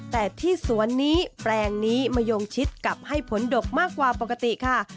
แต่ที่สวนนี้แปลงนี้มาโยงชิดกับให้ผลดกมากกว่าปกติค่ะ